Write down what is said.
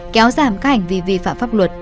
kéo giảm các hành vi vi phạm pháp luật